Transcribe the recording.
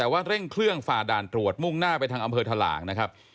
แต่ว่าเร่งเครื่องฝ่าด่านตรวจมุ่งหน้าไปทางอำเภอทะหลางนะครับ